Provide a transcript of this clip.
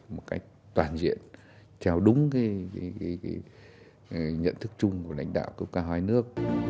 một cách toàn diện trao đúng cái nhận thức chung của lãnh đạo của các hoài nước